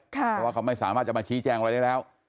เพราะว่าเขาไม่สามารถจะมาชี้แจงอะไรได้แล้ว